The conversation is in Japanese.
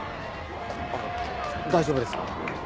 あっ大丈夫です。